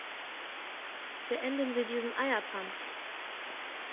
Beenden Sie diesen Eiertanz!